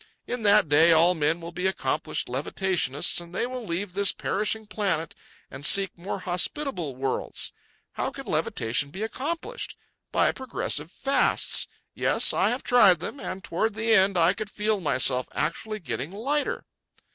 In that day all men will be accomplished levitationists, and they will leave this perishing planet and seek more hospitable worlds. How can levitation be accomplished? By progressive fasts. Yes, I have tried them, and toward the end I could feel myself actually getting lighter."